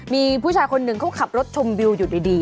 มีผู้ชายคนหนึ่งเขาขับรถชมวิวอยู่ดี